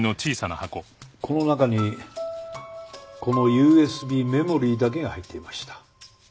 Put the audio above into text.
この中にこのＵＳＢメモリーだけが入っていました。